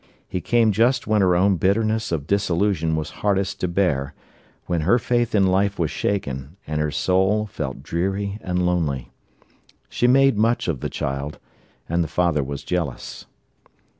He came just when her own bitterness of disillusion was hardest to bear; when her faith in life was shaken, and her soul felt dreary and lonely. She made much of the child, and the father was jealous.